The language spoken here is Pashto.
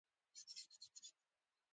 هر زورور د کمزوري کېدو امکان لري